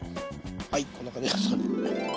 はいこんな感じですかね。